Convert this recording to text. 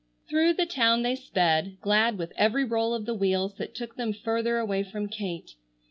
Through the town they sped, glad with every roll of the wheels that took them further away from Kate.